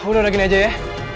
udah gini aja ya